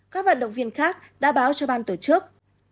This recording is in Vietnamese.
các vận động viên khác đã báo cho ban tổ chức